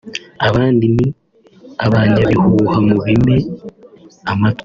Abandi ni abanyabihuha mu bime amatwi